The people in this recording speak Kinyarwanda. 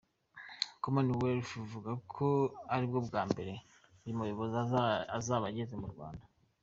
Commonwealth ivuga ko ari bwo bwa mbere uyu muyobozi azaba ageze mu Rwanda.